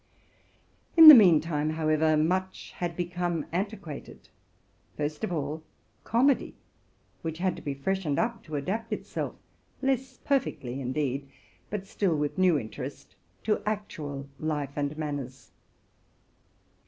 Meanwhile, however, much had become antiquated, — first of all comedy, which had to be freshened up to adapt itself less perfectly, indeed, but still with new interest, to actual life and manners.